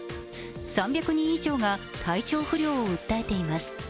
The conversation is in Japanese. ３００人以上が体調不良を訴えています。